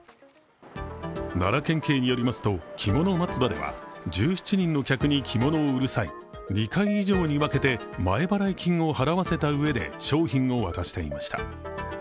奈良県警によりますと、きもの松葉では１７人の客に着物を売る際２回以上に分けて、前払い金を払わせたうえで、商品を渡していました。